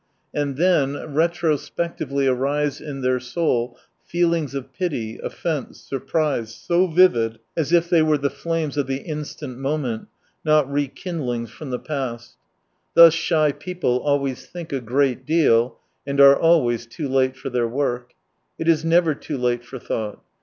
100 And then, retrospectively arise in their soul feelings of pity, offence, surprise, so vivid, as if they were the flames of the instant moment, not rekindlings from the past. Thus shy people always think a great deal, and are always too late for their work. It is never too late for thought.